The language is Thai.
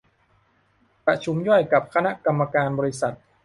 ประชุมย่อยกับคณะกรรมการบริษัท